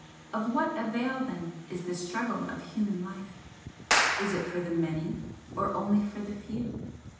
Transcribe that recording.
Of what avail then is the struggle of human life? Is it for the many or only for the few?